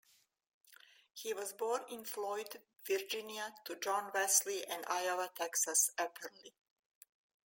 He was born in Floyd, Virginia, to John Wesley and Iowa Texas Epperly.